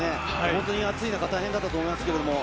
本当に暑い中、大変だったと思います。